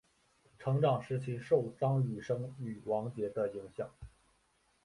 成长时期受张雨生与王杰的影响。